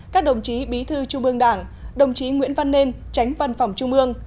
các đồng chí bí thư trung ương đảng đồng chí nguyễn văn nên tránh văn phòng trung ương